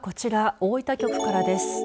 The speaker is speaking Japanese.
大分局からです。